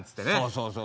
そうそう。